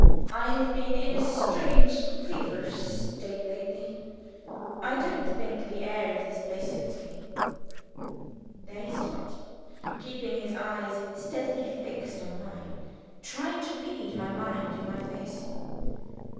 I have been in a strange feverish state lately. I don't think the air of this place suits me." There he stopped; keeping his eyes steadily fixed on mine, trying to read my mind in my face.